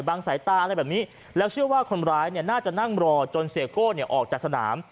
สายตาอะไรแบบนี้แล้วเชื่อว่าคนร้ายเนี่ยน่าจะนั่งรอจนเสียโก้ออกจากสนาม